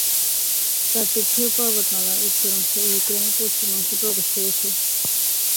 কার্পেথীয় পর্বতমালার উত্তর অংশ ইউক্রেনের পশ্চিম অংশে প্রবেশ করেছে।